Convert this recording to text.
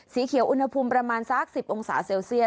สีเขียวอุณหภูมิประมาณสัก๑๐องศาเซลเซียส